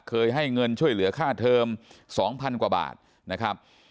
เคยให้เงินช่วยเหลือค่าเทอม๒๐๐๐กว่าบาทนะครับ